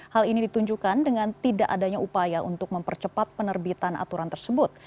hal ini ditunjukkan dengan tidak adanya upaya untuk mempercepat penerbitan aturan tersebut